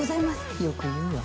よく言うわ。